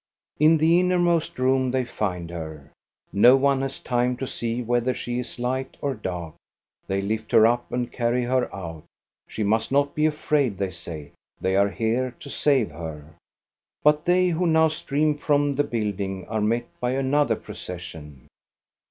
In the innermost room they find her. No one has time to see whether she is light or dark. They lift her up and carry her out. She must not be afraid, they say. They are here to save her. But they who now stream from the building are met by another procession.